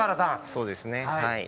そうですねはい。